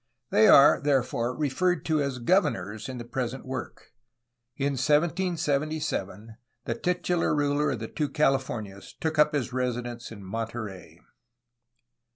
They are therefore referred to as governors in the present work. In 1777 the titular ruler of the two Califomias took up his residence in Monterey.